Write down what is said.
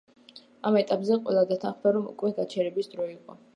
ამ ეტაპზე ყველა დათანხმდა, რომ უკვე გაჩერების დრო იყო.